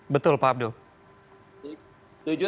betul pak abdo